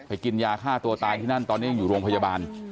กินยาฆ่าตัวตายที่นั่นตอนนี้ยังอยู่โรงพยาบาล